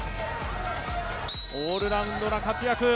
オールラウンドな活躍。